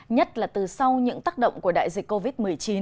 nhất là từ sau những tác động của đại dịch covid một mươi chín